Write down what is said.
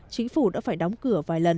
chính phủ đã phải đóng cửa vài lần